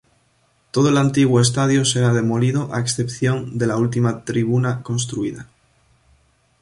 Todo el antiguo estadio será demolido a excepción de la última tribuna construida.